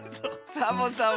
サボさん